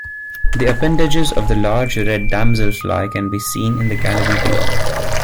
The appendages of the large red damselfly can be seen in the gallery below.